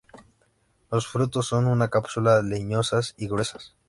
Los frutos son unas cápsulas leñosas y gruesas.